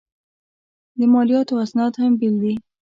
د مالیاتو اسناد هم بېل دي.